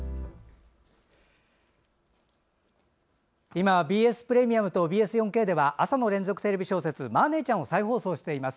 今、ＢＳプレミアムとＢＳ４Ｋでは朝の連続テレビ小説「マー姉ちゃん」を再放送しています。